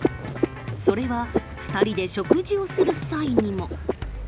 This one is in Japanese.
それは、２人で食事をする際にも。